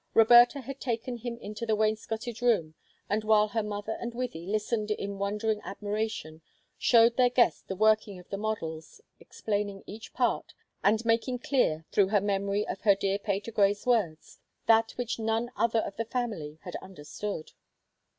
Roberta had taken him into the wainscoted room, and while her mother and Wythie listened in wondering admiration, showed their guest the working of the models, explaining each part, and making clear, through her memory of her dear Patergrey's words, that which none other of the family had understood.